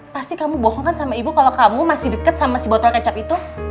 pasti kamu bohong kan sama ibu kalau kamu masih deket sama si botol kecap itu